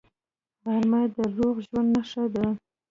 غرمه د روغ ژوند نښه ده